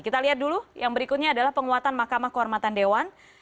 kita lihat dulu yang berikutnya adalah penguatan mahkamah kehormatan dewan